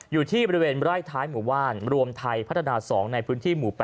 อยู่ที่บริเวณไร่ท้ายหมู่บ้านรวมไทยพัฒนา๒ในพื้นที่หมู่๘